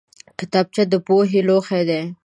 کتابچه د پوهې لوښی دی